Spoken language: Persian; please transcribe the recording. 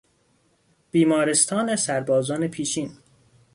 بیمارستان سربازان پیشین